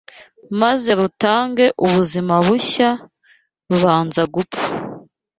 maze rutange ubuzima bushya, rubanza gupfa